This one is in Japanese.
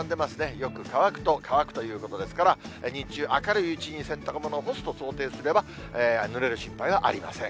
よく乾くと乾くということですから、日中、明るいうちに洗濯物を干すと想定すれば、ぬれる心配はありません。